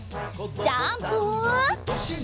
ジャンプ！